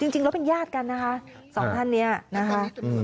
จริงแล้วเป็นญาติกันนะคะสองท่านนี้นะคะ